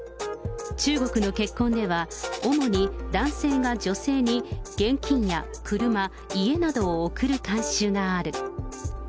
中国の結婚では、主に男性が女性に現金や車、家などを贈る慣習がある。